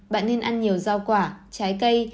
bạn nên ăn nhiều rau quả trái cây